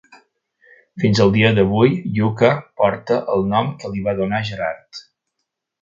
Fins al dia d'avui Yucca porta el nom que li va donar Gerard.